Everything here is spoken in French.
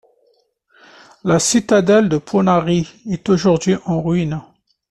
La citadelle de Poenarie est aujourd'hui en ruine.